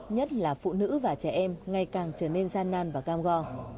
nhất là phụ nữ và trẻ em ngày càng trở nên gian nan và cam go